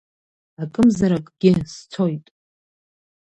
Акымзаракгьы, сцоит!